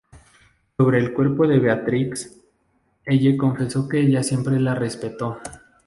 Sobre el cuerpo de Beatrix, Elle confesó que ella siempre la respetó.